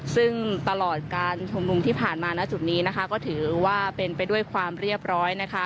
ซึ่งตลอดการชุมนุมที่ผ่านมาณจุดนี้นะคะก็ถือว่าเป็นไปด้วยความเรียบร้อยนะคะ